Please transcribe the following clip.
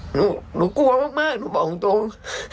หนูกลัวมากหนูบอกตรง